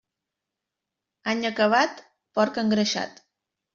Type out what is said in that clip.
Any acabat, porc engreixat.